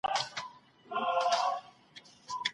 ډېر لوړ ږغ پاڼه ړنګه کړه.